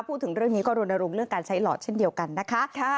พูดถึงเรื่องนี้ก็รณรงค์เรื่องการใช้หลอดเช่นเดียวกันนะคะ